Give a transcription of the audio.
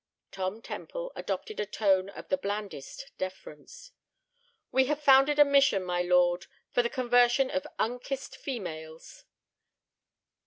Tom Temple adopted a tone of the blandest deference. "We have founded a mission, my lord, for the conversion of unkissed females."